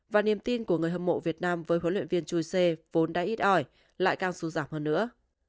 và niềm tin của người hâm mộ việt nam với hỗ luyện viên chuse vốn đã ít ỏi lại càng sưu giảm hơn nữa